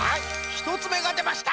ひとつめがでました。